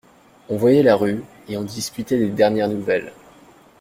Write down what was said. On voyait la rue et on discutait des dernières nouvelles.